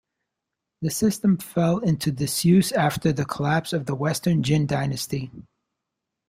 The system fell into disuse after the collapse of the Western Jin dynasty.